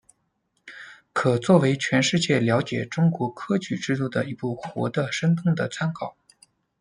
可作为全世界了解中国科举制度的一部活的生动的参考。